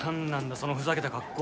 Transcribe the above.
そのふざけた格好は。